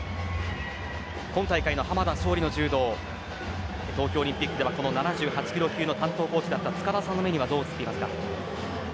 今大会の濱田尚里の柔道東京オリンピックではこの７８キロ級の担当コーチだった塚田さんの目にはどう映りますか。